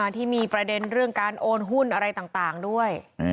ที่มีประเด็นเรื่องการโอนหุ้นอะไรต่างด้วย